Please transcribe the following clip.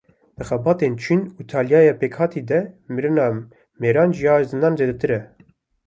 Di xebatên Çîn û Îtalyayê pêkhatî de mirina mêran ji ya jinan zêdetir e.